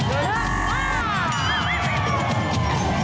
ตำแหน่งที่สองค่ะ